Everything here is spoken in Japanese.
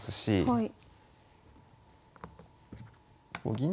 はい。